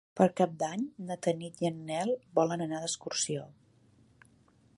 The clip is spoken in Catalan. Per Cap d'Any na Tanit i en Nel volen anar d'excursió.